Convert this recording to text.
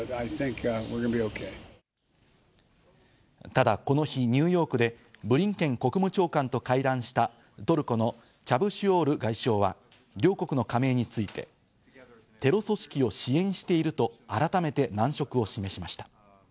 ただ、この日ニューヨークでブリンケン国務長官と会談したトルコのチャブシオール外相は両国の加盟についてテロ組織を支援していると改めて難色を示しました。